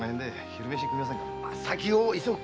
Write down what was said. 先を急ぐ。